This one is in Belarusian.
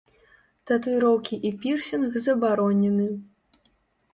Татуіроўкі і пірсінг забаронены.